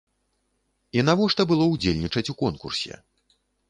І навошта было ўдзельнічаць у конкурсе?